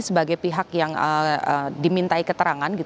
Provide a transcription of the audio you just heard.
sebagai pihak yang dimintai keterangan